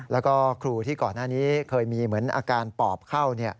แล้วก็ครูที่ก่อนหน้านี้เคยมีเหมือนอาการปอบเข้า